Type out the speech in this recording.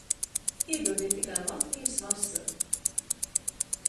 Iedodiet tikai Latvijas vasaru!